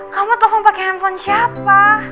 kamu telfon pake handphone siapa